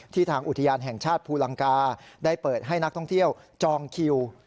ทางอุทยานแห่งชาติภูลังกาได้เปิดให้นักท่องเที่ยวจองคิว